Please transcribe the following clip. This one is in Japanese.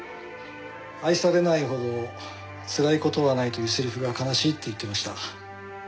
「愛されないほどつらい事はない」というセリフが悲しいって言っていました。